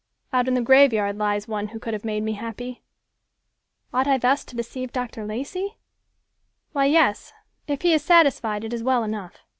Out in the graveyard lies one who could have made me happy. Ought I thus to deceive Dr. Lacey? Why, yes; if he is satisfied, it is well enough.